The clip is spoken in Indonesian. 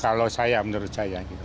kalau saya menurut saya